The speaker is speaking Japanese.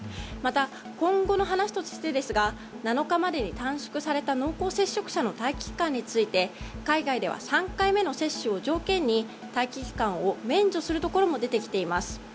また、今後の話としてですが７日までに短縮された濃厚接触者の待機期間について海外では３回目の接種を条件に待機期間を免除するところも出てきています。